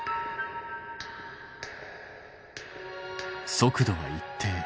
速度は一定。